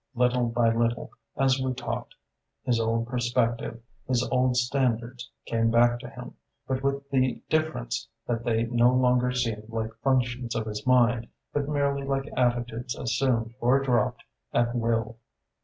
Little by little, as we talked, his old perspective, his old standards came back to him; but with the difference that they no longer seemed like functions of his mind but merely like attitudes assumed or dropped at will.